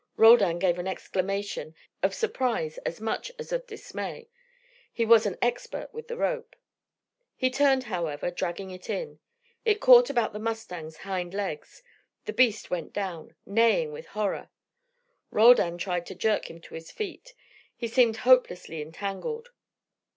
Roldan gave an exclamation, of surprise as much as of dismay: he was an expert with the rope. He turned, however, dragging it in. It caught about the mustang's hind legs. The beast went down, neighing with horror. Roldan tried to jerk him to his feet. He seemed hopelessly entangled.